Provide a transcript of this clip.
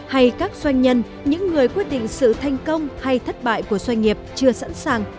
hay các doanh nhân những người quyết định sự thành công hay thất bại của doanh nghiệp chưa sẵn sàng